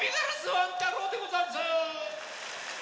ワン太郎でござんす！